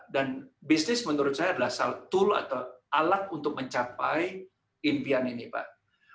dan bisnis menurut saya adalah alat untuk mencapai impian ini pak